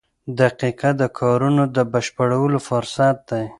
• دقیقه د کارونو د بشپړولو فرصت دی.